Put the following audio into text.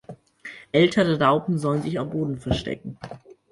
Ältere Raupen sollen sich am Boden verstecken.